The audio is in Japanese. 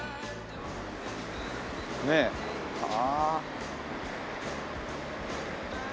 ねえ。ああ。